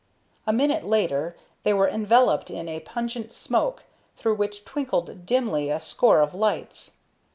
A minute later they were enveloped in a pungent smoke, through which twinkled dimly a score of lights.